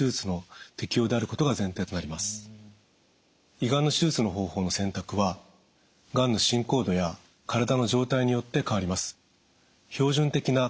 胃がんの手術の方法の選択はがんの進行度や体の状態によって変わります。